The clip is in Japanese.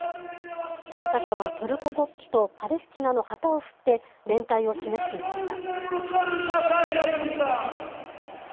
参加者はトルコ国旗とパレスチナの旗を振って、連帯を示していました。